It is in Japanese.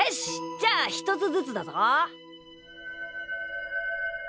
じゃあ１つずつだぞ。